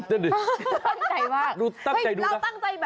ตั้งใจมากเราตั้งใจแบบ